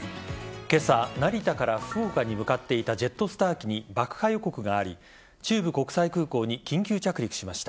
今朝、成田から福岡に向かっていたジェットスター機に爆破予告があり中部国際空港に緊急着陸しました。